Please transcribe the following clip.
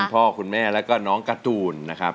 คุณพ่อคุณแม่ไม่แล้วก็น้องกาตูนนะครับ